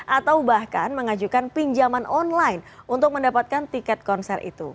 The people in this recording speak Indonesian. atau bahkan mengajukan pinjaman online untuk mendapatkan tiket konser itu